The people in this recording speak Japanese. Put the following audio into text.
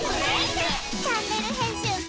「チャンネル編集部」！